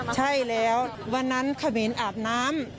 ใช่แล้ววันนั้นเขมรอาบน้ำ